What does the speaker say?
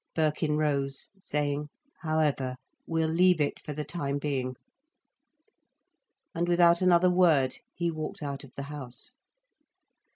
Birkin rose, saying: "However, we'll leave it for the time being." And without another word, he walked out of the house.